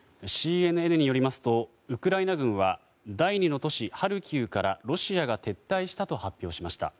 ＣＮＮによりますとウクライナ軍は第２の都市、ハルキウからロシアが撤退したと発表しました。